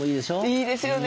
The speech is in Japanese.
いいですよね。